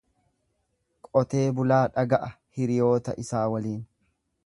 Qotee bulaa dhaga'a hiriyoota isaa waliin.